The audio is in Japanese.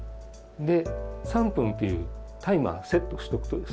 で３分っていうタイマーセットしておくとですね